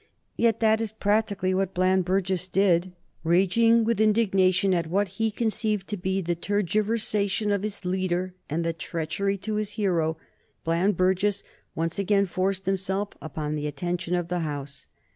Yet that is practically what Bland Burges did. Raging with indignation at what he conceived to be the tergiversation of his leader and the treachery to his hero, Bland Burges once again forced himself upon the attention of the House.